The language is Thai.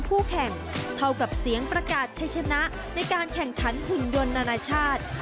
คู่แข่งเท่ากับเสียงประกาศใช้ชนะในการแข่งขันหุ่นยนต์นานาชาติ